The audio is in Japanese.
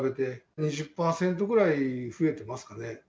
２０％ぐらい増えてますかね。